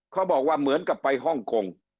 เขาบอกว่าเหมือนกับไปฮ่องกง